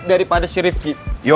daripada si rifqi